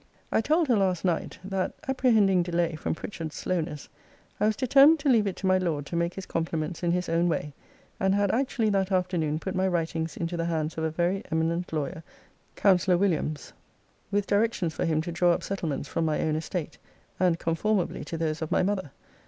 I told her last night, that apprehending delay from Pritchard's slowness, I was determined to leave it to my Lord to make his compliments in his own way; and had actually that afternoon put my writings into the hands of a very eminent lawyer, Counsellor Willians, with directions for him to draw up settlements from my own estate, and conformably to those of my mother!